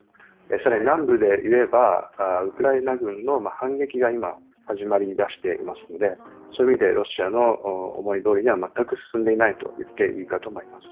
更に南部でいえば、ウクライナ軍の反撃が今、始まり出していますので、そういう意味でロシアの思いどおりには、全く進んでいないといっていいかと思います。